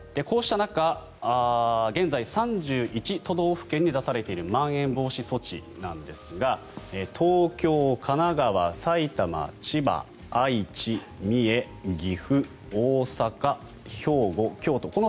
こうした中、現在３１都道府県に出されているまん延防止措置なんですが東京、神奈川、埼玉、千葉愛知、三重、岐阜、大阪兵庫、京都